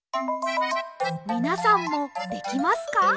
みなさんもできますか？